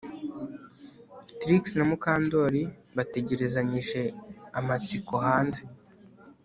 Trix na Mukandoli bategerezanyije amatsiko hanze